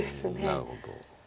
なるほど。